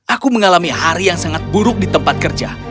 aku mengalami hari yang sangat buruk di tempat kerja